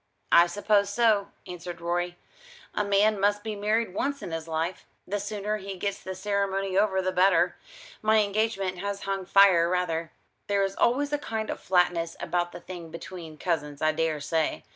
"I suppose so," answered Rorie; "a man must be married once in his life. The sooner he gets the ceremony over the better. My engagement has hung fire rather. There is always a kind of flatness about the thing between cousins, I daresay.